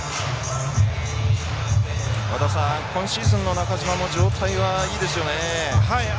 和田さん、今シーズンの中島も状態がいいですよね。